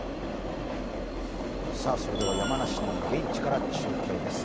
それでは山梨の現地から中継です。